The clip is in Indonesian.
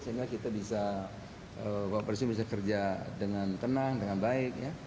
sehingga kita bisa bapak presiden bisa kerja dengan tenang dengan baik